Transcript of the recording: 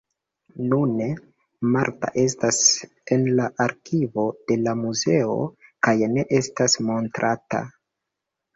Nune, Martha estas en la arkivo de la muzeo kaj ne estas montrata.